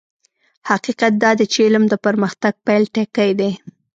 حقيقت دا دی چې علم د پرمختګ پيل ټکی دی.